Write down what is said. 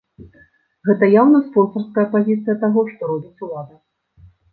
Гэта яўна спонсарская пазіцыя таго, што робіць улада.